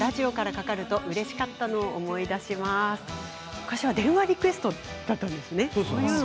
昔は電話リクエストだったんですね。